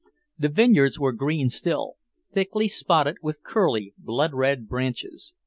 The vineyards were green still, thickly spotted with curly, blood red branches.